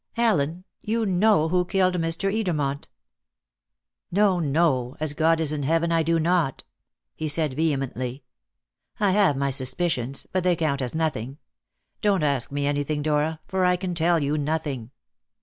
"Allen, you know who killed Mr. Edermont." "No, no! As God is in heaven I do not!" he said vehemently. "I have my suspicions, but they count as nothing. Don't ask me anything, Dora, for I can tell you nothing."